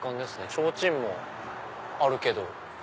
ちょうちんもあるけど。